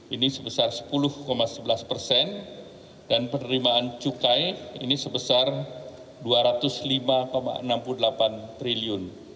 ini sebesar sepuluh sebelas persen dan penerimaan cukai ini sebesar rp dua ratus lima enam puluh delapan triliun